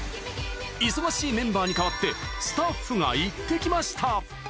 忙しいメンバーに代わってスタッフが行ってきました！